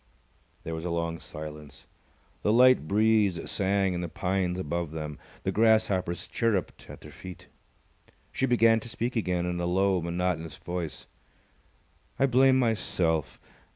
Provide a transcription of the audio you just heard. There was a long silence. The light breeze sang in the pines above them. The grasshoppers chirrupped at their feet. She began to speak again in a low, monotonous voice. "I blame myself!